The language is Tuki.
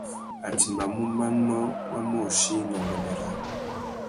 A timbamú manô mà môchï mà nguêndê râā.